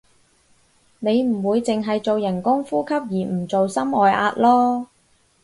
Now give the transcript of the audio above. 你唔會淨係做人工呼吸而唔做心外壓囉